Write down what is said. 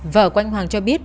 vợ của anh hoàng cho biết